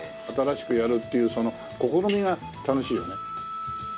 新しくやるっていうその試みが楽しいよね。